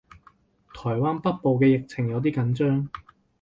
台灣北部嘅疫情有啲緊張